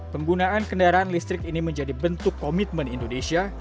penggunaan kendaraan listrik ini menjadi bentuk komitmen indonesia